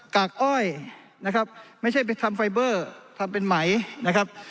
กากอ้อยนะครับไม่ใช่ไปทำไฟเบอร์ทำเป็นไหมนะครับ